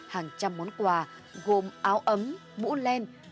hàng trăm món quà gồm áo ấm bũ len chiếu hoa